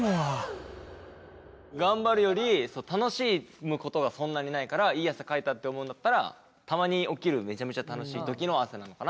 頑張るより楽しむことがそんなにないからいい汗かいたって思うんだったらたまに起きるめちゃめちゃ楽しい時の汗なのかなと思って。